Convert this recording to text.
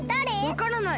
わからない。